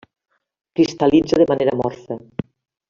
Cristal·litza de manera amorfa.